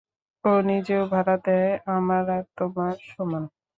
ও নিজেও ভাড়া দেয়, আমার আর তোমার সমান।